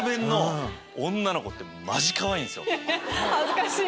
恥ずかしい！